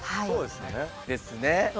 そうですね